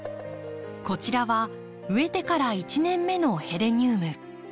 こちらは植えてから１年目のヘレニウム。